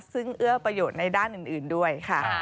ซึ่งเอื้อประโยชน์ในด้านอื่นด้วยค่ะ